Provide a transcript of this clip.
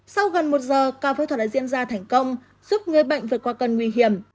sau gần một giờ ca phẫu thuật đã diễn ra thành công giúp người bệnh vượt qua cơn nguy hiểm